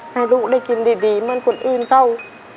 ให้ลูกได้กินดีมั่นคนอื่นเข้า